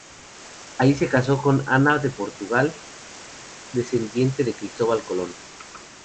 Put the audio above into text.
Ahí se casó con Ana de Portugal, descendiente de Cristóbal Colón.